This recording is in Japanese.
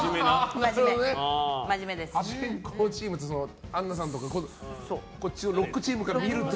破天荒チームってアンナさんとかのロックチームから見ると。